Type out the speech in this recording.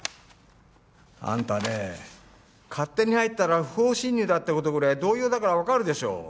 あんたねえ勝手に入ったら不法侵入だって事ぐらい同業だからわかるでしょう。